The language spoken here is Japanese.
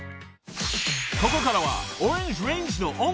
［ここからは］